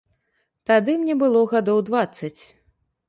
Тады мне было гадоў дваццаць.